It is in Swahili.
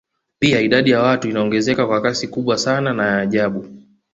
Pia idadi ya watu inaongezeka kwa kasi kubwa sana na ya ajabu